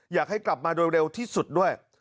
อยากให้กลับมาโดยเร็วที่สุดด้วย